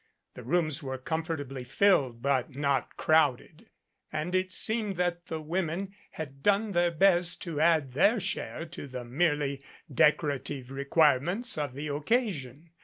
The rooms were comfortably filled, but not crowded, and it seemed that the women had done their best to add their share to the merely decorative requirements of the occasion.